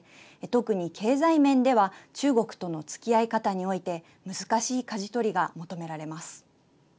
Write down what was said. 特に、経済面では中国とのつきあい方において難しいかじ取りが求められます。